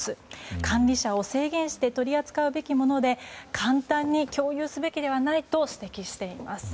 管理者を制限して取り扱うべきもので簡単に共有すべきではないと指摘しています。